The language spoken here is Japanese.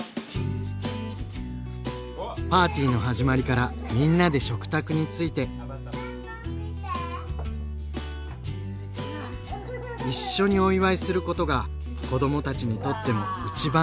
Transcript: パーティーの始まりからみんなで食卓について。一緒にお祝いすることが子どもたちにとっても一番うれしいこと。